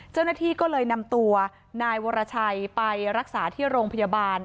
เจ้าหน้าที่ก็เลยนำตัวนายวรชัยไปรักษาที่โรงพยาบาล